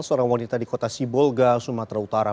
seorang wanita di kota sibolga sumatera utara